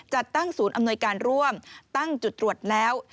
จัดตั้งศูนย์อำนวยการร่วมตั้งจุดตรวจแล้ว